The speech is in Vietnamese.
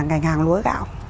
ngành hàng lúa gạo